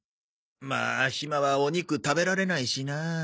まあひまはお肉食べられないしな。